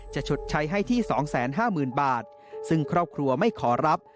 ชดใช้ให้ที่๒๕๐๐๐บาทซึ่งครอบครัวไม่ขอรับ